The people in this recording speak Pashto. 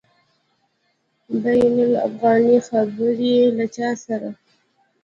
بین الافغاني خبري له چا سره؟